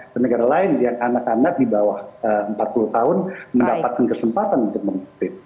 dan negara lain yang anak anak di bawah empat puluh tahun mendapatkan kesempatan untuk memimpin